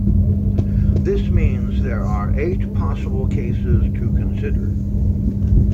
This means there are eight possible cases to consider.